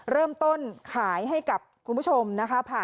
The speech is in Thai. เริ่มต้นขายให้กับคุณผู้ชมนะคะ